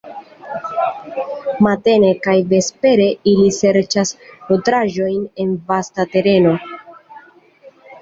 Matene kaj vespere ili serĉas nutraĵon en vasta tereno.